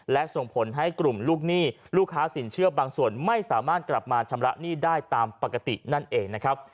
และส่งผลให้กลุ่มลูกหนี้ลูกค้าสินเชื่อบางส่วนไม่สามารถกลับมาชำระหนี้ได้ตามปกตินั่นเองนะครับ